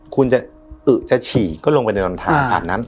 คุณจะอึ๋จะฉี่ก็ลงไปในลำทานอาบน้ำ